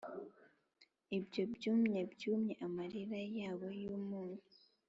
ibyo byumye byumye amarira yabo yumunyu.